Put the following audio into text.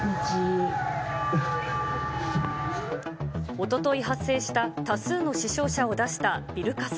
おととい発生した多数の死傷者を出したビル火災。